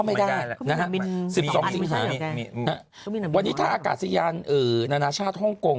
ไม่ได้นะฮะสิบสองอันวันนี้ถ้าอากาศสิยาณนาชาติฮ่องกง